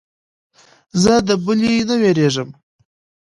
زه د بلې نه وېرېږم.